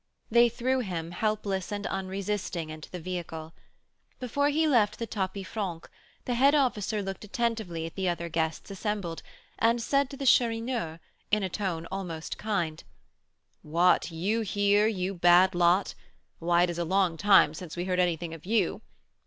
They threw him, helpless and unresisting, into the vehicle. Before he left the tapis franc, the head officer looked attentively at the other guests assembled, and said to the Chourineur, in a tone almost kind: "What, you here, you bad lot? Why, it is a long time since we heard anything of you.